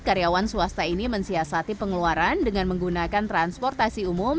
karyawan swasta ini mensiasati pengeluaran dengan menggunakan transportasi umum